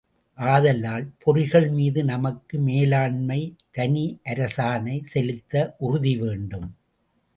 ஆதலால் பொறிகள் மீது நமக்கு மேலாண்மை தனியரசாணை செலுத்த உறுதிவேண்டும்.